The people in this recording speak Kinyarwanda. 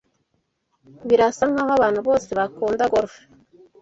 Birasa nkaho abantu bose bakunda golf.